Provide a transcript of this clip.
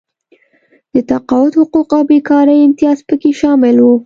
د تقاعد حقوق او بېکارۍ امتیازات پکې شامل وو.